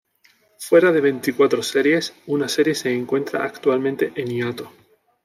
Fuera de veinticuatro series, una serie se encuentra actualmente en hiato.